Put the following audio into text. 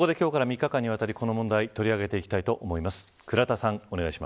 今日から３日間にわたりこの問題を取り上げていきたいと思います。